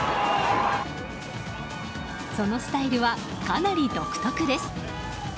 そのスタイルは、かなり独特です。